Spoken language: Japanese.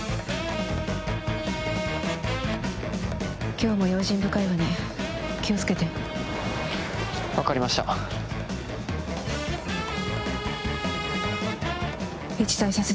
今日も用心深いわね気をつけて分かりました一対左折